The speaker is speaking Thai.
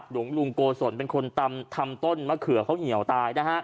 หลวงลุงโกศลเป็นคนทำต้นมะเขือเขาเหี่ยวตายนะฮะ